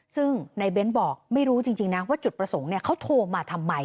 ซึ่งในเบ้นบอกไม่รู้จริงนะว่าจุดประสงค์เขาโทรมาทำไม